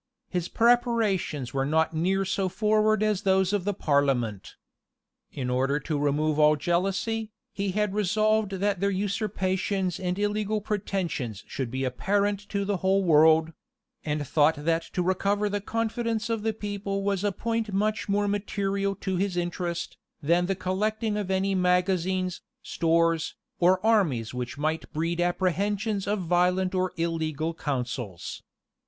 His preparations were not near so forward as those of the parliament. In order to remove all jealousy, he had resolved that their usurpations and illegal pretensions should be apparent to the whole world; and thought that to recover the confidence of the people was a point much more material to his interest, than the collecting of any magazines, stores, or armies which might breed apprehensions of violent or illegal counsels.